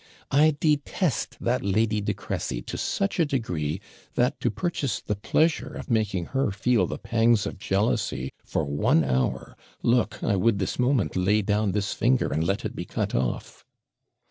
'I detest that Lady de Cresey to such a degree, that, to purchase the pleasure of making her feel the pangs of jealousy for one hour, look, I would this moment lay down this finger and let it be cut off.'